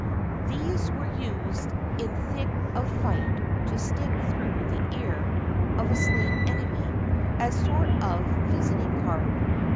These were used in thick of fight to stick through the ear of a slain enemy as a sort of visiting card.